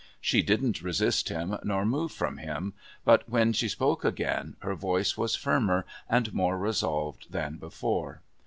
She didn't resist him nor move from him, but when she spoke again her voice was firmer and more resolved than before.